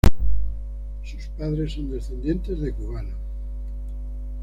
Sus padres son descendientes de cubanos.